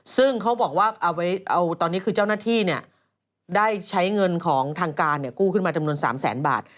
ซึ่งเขาบอกว่าตอนนี้คือเจ้าหน้าที่ได้ใช้เงินของทางการกู้ขึ้นมาจำนวน๓แสนบาท